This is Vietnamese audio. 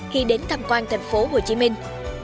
khi đến tham quan thành phố hồ chí minh